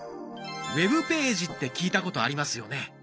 ウェブページって聞いたことありますよね。